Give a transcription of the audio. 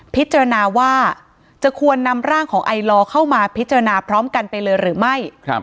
พิจารณาว่าจะควรนำร่างของไอลอเข้ามาพิจารณาพร้อมกันไปเลยหรือไม่